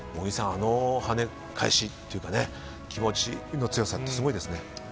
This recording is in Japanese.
あの跳ね返しというか気持ちの強さってすごいですね。